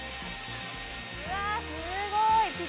うわあすごい！